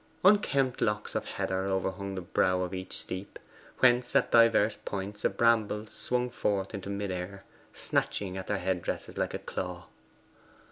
Unkempt locks of heather overhung the brow of each steep, whence at divers points a bramble swung forth into mid air, snatching at their head dresses like a claw.